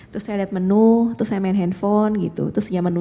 terus saya lihat menu terus saya main handphone gitu